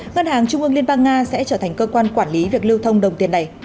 ngân hàng trung ương liên bang nga sẽ trở thành cơ quan quản lý việc lưu thông đồng tiền này